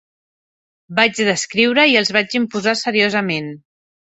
Vaig descriure, i els vaig imposar seriosament.